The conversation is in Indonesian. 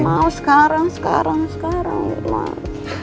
aku mau sekarang sekarang sekarang ya mas